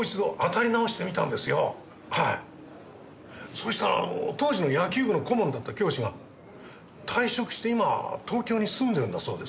そうしたら当時の野球部の顧問だった教師が退職して今は東京に住んでるんだそうです。